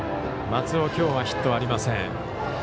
松尾、きょうはヒットはありません。